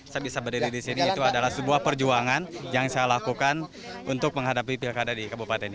saya bisa berdiri di sini itu adalah sebuah perjuangan yang saya lakukan untuk menghadapi pilkada di kabupaten ini